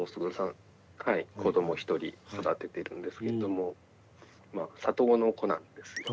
子ども１人育ててるんですけれどもまあ里子の子なんですね。